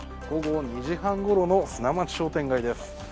午後２時半ごろの砂町商店街です